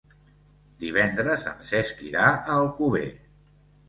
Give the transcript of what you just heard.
Divendres en Cesc irà a Alcover.